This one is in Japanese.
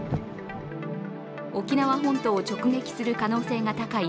沖縄本島を直撃する可能性が高い